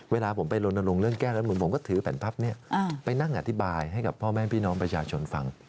เวลาผมไปลนลงเรื่องแก้รัฐมนุนผมก็ถือแผ่นพับนี้ไปนั่งอธิบายให้กับพ่อแม่พี่น้องประชาชนฟัง